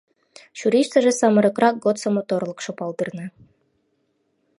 Чурийыштыже самырыкрак годсо моторлыкшо палдырна.